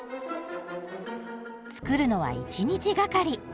作るのは１日がかり。